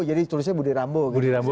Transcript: jadi tulisnya budi rambo